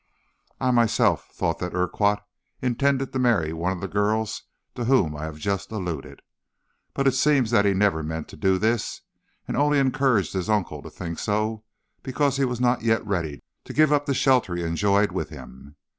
I myself thought that Urquhart intended to marry one of the girls to whom I have just alluded. But it seems that he never meant to do this, and only encouraged his uncle to think so because he was not yet ready to give up the shelter he enjoyed with him.